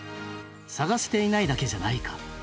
探せていないだけじゃないか。